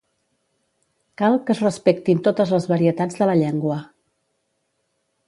Cal que es respectin totes les varietats de la llengua.